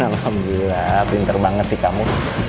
alhamdulillah pinter banget sih kamu